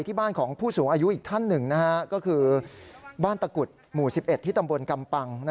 ที่บ้านของผู้สูงอายุอีกท่านหนึ่งก็คือบ้านตะกุดหมู่๑๑ที่ตำบลกำปัง